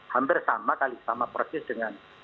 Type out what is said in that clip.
hampir sama kali sama persis dengan